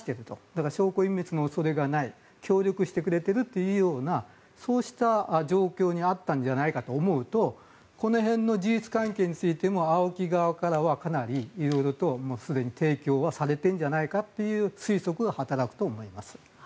だから証拠隠滅の恐れがない協力してくれているというようなそうした状況にあったんじゃないかと思うとこの辺の事実関係についてもＡＯＫＩ側からはかなり色々と、すでに提供はされているんじゃないかという推測が働くと思います。